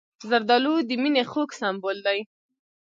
زردالو د مینې خوږ سمبول دی.